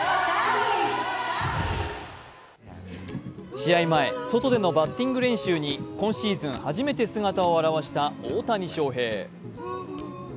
試合前、外でのバッティング練習に今シーズン初めて姿を現した大谷翔平。